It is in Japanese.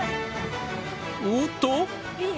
おっと？